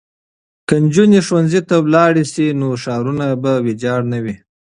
که نجونې ښوونځي ته لاړې شي نو ښارونه به ویجاړ نه وي.